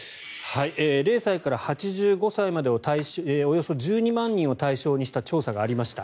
０歳から８５歳までおよそ１２万人を対象にした調査がありました。